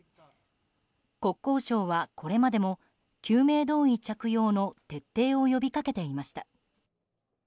国交省は、これまでも救命胴衣着用の徹底を呼びかけていました。